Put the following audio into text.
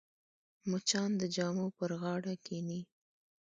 مچان د جامو پر غاړه کښېني